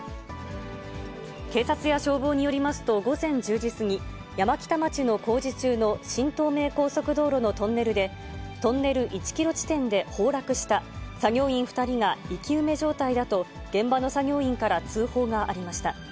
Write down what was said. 警察や消防によりますと、午前１０時過ぎ、山北町の工事中の新東名高速道路のトンネルで、トンネル１キロ地点で崩落した、作業員２人が生き埋め状態だと、現場の作業員から通報がありました。